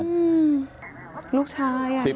ลูกชายอะ